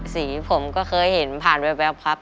สีผมก็เคยเห็นผ่านแวบครับ